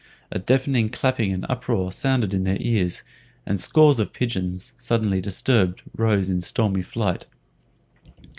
A deafening clapping and uproar sounded in their ears, and scores of pigeons, suddenly disturbed, rose in stormy flight.